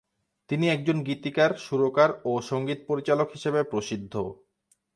তিনি একজন গীতিকার, সুরকার ও সঙ্গীত পরিচালক হিসেবে প্রসিদ্ধ।